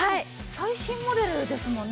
最新モデルですもんね。